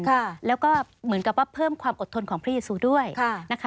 ค่ะแล้วก็เหมือนกับว่าเพิ่มความอดทนของพระยซูด้วยค่ะนะคะ